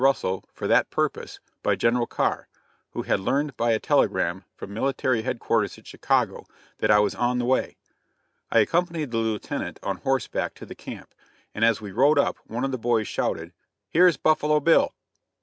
Russell for that purpose by General Carr, who had learned by a telegram from military headquarters at Chicago that I was on the way. I accompanied the Lieutenant on horseback to the camp, and as we rode up, one of the boys shouted, "Here's Buffalo Bill!"